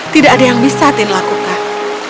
tidak ada yang bisa tin lakukan